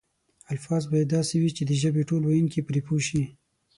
الفاظ باید داسې وي چې د ژبې ټول ویونکي پرې پوه شي.